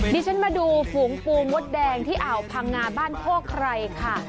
ดิฉันมาดูฝูงปูมดแดงที่อ่าวพังงาบ้านโคไครค่ะ